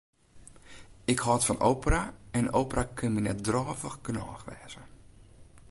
Ik hâld fan opera en opera kin my net drôvich genôch wêze.